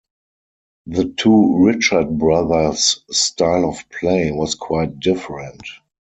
The two Richard brothers' style of play was quite different.